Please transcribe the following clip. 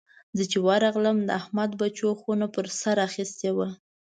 زه چې ورغلم؛ د احمد بچو خونه پر سر اخيستې وه.